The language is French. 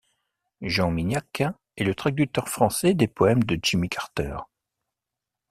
Jean Miniac est le traducteur français des poèmes de Jimmy Carter.